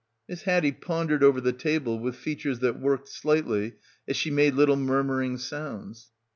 Miss Haddie pondered over the table with features that worked slightly as she made little murmuring sounds.